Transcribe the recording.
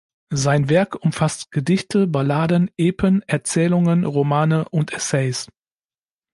Sein Werk umfasst Gedichte, Balladen, Epen, Erzählungen, Romane und Essays.